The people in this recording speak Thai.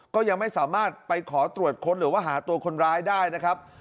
ก็ยังไม่สามารถไปขอตรวจค้นหรือว่าหาตัวคนร้ายได้นะครับ